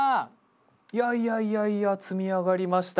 いやいやいやいや積み上がりました。